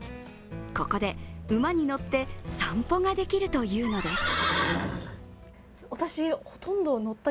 ここで馬に乗って散歩ができるというのです。